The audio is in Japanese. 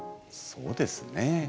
そうですね。